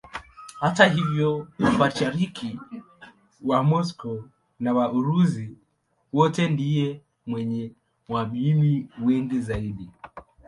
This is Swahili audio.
Hata hivyo Patriarki wa Moscow na wa Urusi wote ndiye mwenye waamini wengi zaidi.